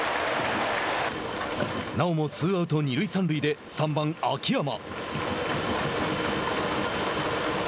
なおもツーアウト、二塁三塁で３番秋山。